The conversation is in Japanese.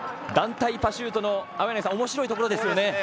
団体パシュートのおもしろいところですね。